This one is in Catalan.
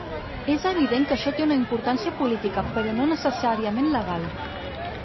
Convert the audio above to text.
És evident que això té una importància política, però no necessàriament legal.